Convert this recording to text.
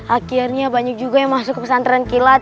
akhirnya banyak juga yang masuk ke pesantren kilat